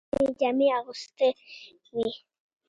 هغه د اوسپنې جامې اغوستې وې.